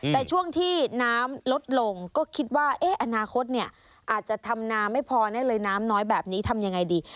แต่ช่วงที่น้ำลดลงก็คิดว่าอนาคตเนี่ยอาจจะทำนาไม่พอแน่เลยน้ำน้อยแบบนี้ทำยังไงดี